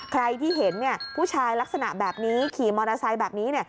ใครที่เห็นผู้ชายลักษณะแบบนี้ขี่มอเตอร์ไซค์แบบนี้